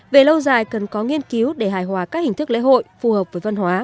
về lâu dài cần có nghiên cứu để hài hòa các hình thức lễ hội phù hợp với văn hóa